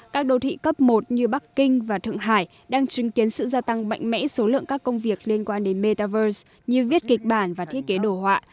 các đô thị cấp một như bắc kinh và thượng hải đang chứng kiến sự gia tăng mạnh mẽ số lượng các công việc liên quan đến metaverse như viết kịch bản và thiết kế đồ họa